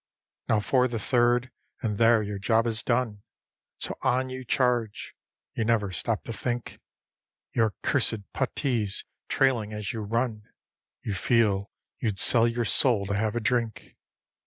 Now for the third, and there your job is done, SO ON YOU CHARGE. You never stop to think. Your cursed puttee's trailing as you run; You feel you'd sell your soul to have a drink.